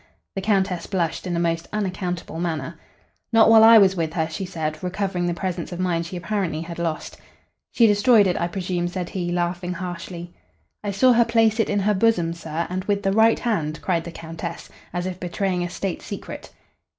The Countess blushed in a most unaccountable manner. "Not while I was with her," she said, recovering the presence of mind she apparently had lost. "She destroyed it, I presume," said he, laughing harshly. "I saw her place it in her bosom, sir, and with the right hand," cried the Countess, as if betraying a state secret.